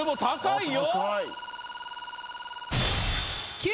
高いよ！